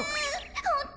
ホント？